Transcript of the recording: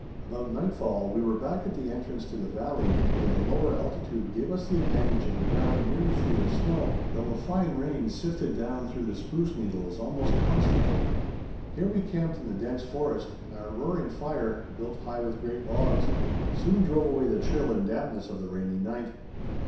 About nightfall we were back at the entrance to the valley, where the lower altitude gave us the advantage of a ground nearly free of snow, though a fine rain sifted down through the spruce needles almost constantly. Here we camped in the dense forest, and our roaring fire, built high with great logs, soon drove away the chill and dampness of the rainy night.